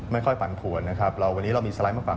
ไม่ค่อยปั่นผลเราวันนี้เรามีสไลด์มาฟัง